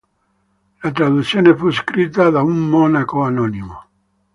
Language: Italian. La traduzione fu scritta da un monaco anonimo.